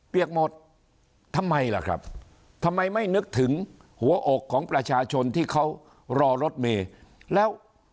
หมดทำไมล่ะครับทำไมไม่นึกถึงหัวอกของประชาชนที่เขารอรถเมย์แล้ว